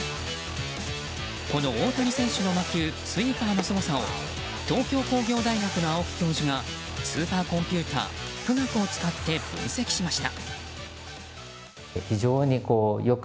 この大谷選手の魔球スイーパーのすごさを東京工業大学の青木教授がスーパーコンピューター「富岳」を使って分析しました。